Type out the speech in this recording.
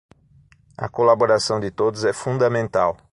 A colaboração de todos é fundamental